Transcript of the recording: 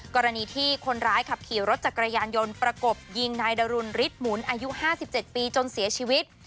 กรณีที่คนร้ายขับขี่รถจักรยานยนต์ประกบยิงนายดรุนฤทธหมุนอายุ๕๗ปีจนเสียชีวิต